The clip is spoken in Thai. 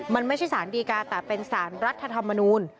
มันไม่ใช่สารดีกาแต่เป็นสารรัฐธรรมนูล